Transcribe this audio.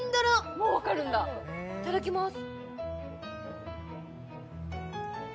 もうわかるんだいただきます